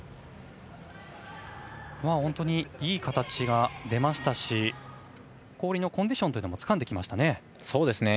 本当に、いい形が出ましたし氷のコンディションもつかんできましたね。